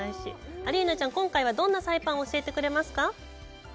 アリーナちゃん、今回はどんなサイパンを教えてくれますか。